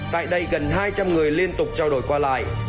tại đây gần hai trăm linh người liên tục trao đổi qua lại